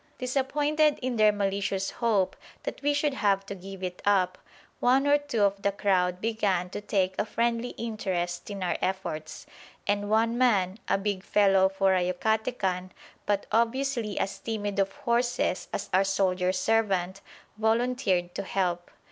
Disappointed in their malicious hope that we should have to give it up, one or two of the crowd began to take a friendly interest in our efforts, and one man, a big fellow for a Yucatecan but obviously as timid of horses as our soldier servant, volunteered to help.